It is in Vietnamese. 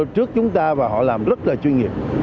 trước chúng ta và họ làm rất là chuyên nghiệp